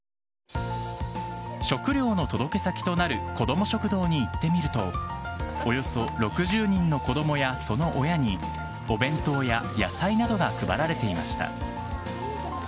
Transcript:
食料の届け先となる子ども食堂に行ってみると、およそ６０人の子どもやその親に、お弁当や野菜などが配られていました。